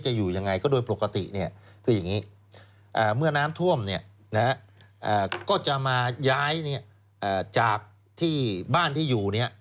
จากที่บ้านที่อยู่